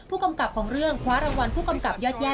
ผู้กำกับของเรื่องคว้ารางวัลผู้กำกับยอดแย่